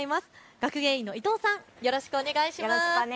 学芸員の伊藤さん、よろしくお願いします。